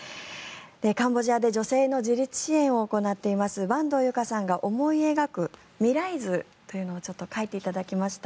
カンボジアで女性の自立支援を行っています板東由佳さんが思い描く未来図というのを描いていただきました。